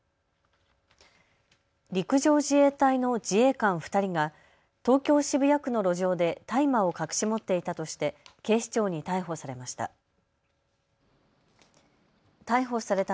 陸上自衛隊の自衛官２人が東京渋谷区の路上で大麻を隠し持っていたとして警視庁に逮捕されました。